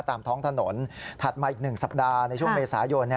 ตามท้องถนนถัดมาอีก๑สัปดาห์ในช่วงเมษายน